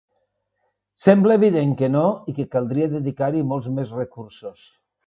Sembla evident que no i que caldria dedicar-hi molts més recursos.